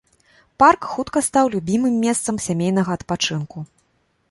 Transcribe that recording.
Парк хутка стаў любімым месцам сямейнага адпачынку.